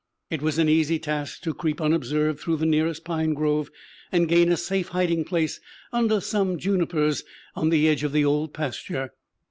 It was an easy task to creep unobserved through the nearest pine grove, and gain a safe hiding place under some junipers on the edge of the old pasture.